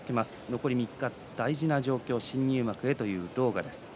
残り３日大事な状況新入幕という狼雅です。